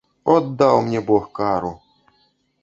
От даў мне бог кару!